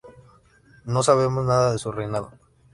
No sabemos nada de su reinado.